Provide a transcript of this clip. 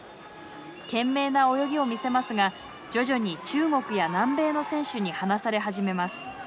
懸命な泳ぎを見せますが徐々に中国や南米の選手に離され始めます。